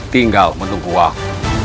tinggal menunggu aku